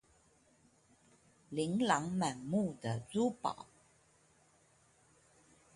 琳琅滿目的珠寶